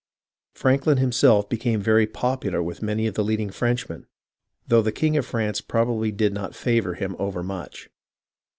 Franklin himself became very popular with many of the leading Frenchmen, though the king of France probably did not favour him overmuch.